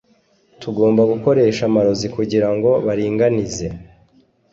tugomba gukoresha amarozi kugirango baringanize